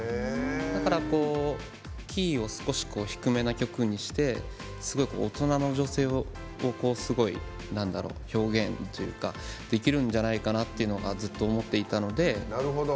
だから、キーを低めな曲にしてすごく大人の女性を表現というかできるんじゃないかというのがずっと思っていたので。